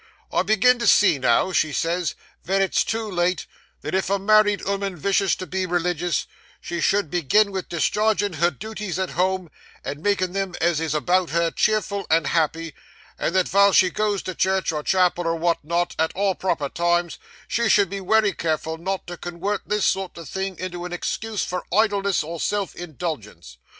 I begin to see now," she says, "ven it's too late, that if a married 'ooman vishes to be religious, she should begin vith dischargin' her dooties at home, and makin' them as is about her cheerful and happy, and that vile she goes to church, or chapel, or wot not, at all proper times, she should be wery careful not to con wert this sort o' thing into a excuse for idleness or self indulgence.